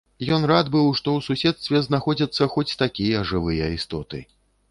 Ён рад быў, што ў суседстве знаходзяцца хоць такія жывыя істоты.